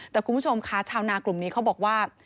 แต่คุณผู้ชมค่ะชาวนากลุ่มนี้เขาบอกว่า